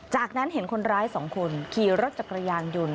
จากนั้นเห็นคนร้าย๒คนขี่รถจักรยานยนต์